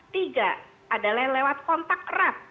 tiga adalah lewat kontak erat